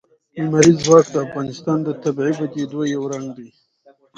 لمریز ځواک د افغانستان د طبیعي پدیدو یو رنګ دی.